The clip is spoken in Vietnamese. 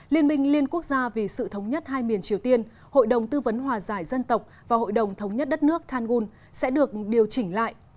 liên minh liên quốc gia vì sự thống nhất hai miền triều tiên hội đồng tư vấn hòa giải dân tộc và hội đồng thống nhất đất nước tangun sẽ được điều chỉnh lại